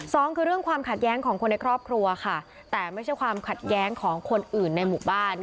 สองคือเรื่องความขัดแย้งของคนในครอบครัวค่ะแต่ไม่ใช่ความขัดแย้งของคนอื่นในหมู่บ้าน